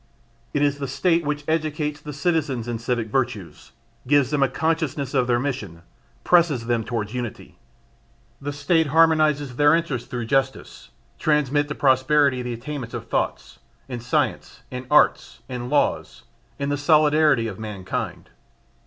It is the State which educates the citizens in civic virtues, gives them a consciousness of their mission, presses them towards unity; the State harmonizes their interests through justice, transmits to prosperity the attainments of thoughts, in science, in art, in laws, in the solidarity of mankind.